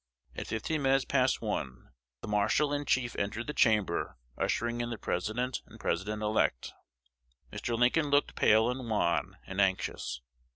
At fifteen minutes past one, the Marshal in Chief entered the chamber ushering in the President and President elect. Mr. Lincoln looked pale, and wan, and anxious.